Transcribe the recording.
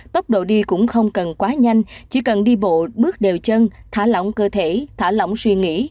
tốc độ đi cũng không cần quá nhanh chỉ cần đi bộ bước đều chân thả lỏng cơ thể thả lỏng suy nghĩ